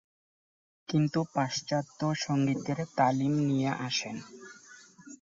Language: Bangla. কিন্তু পাশ্চাত্য সঙ্গীতের তালিম নিয়ে আসেন।